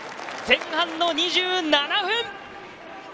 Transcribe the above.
前半の２７分！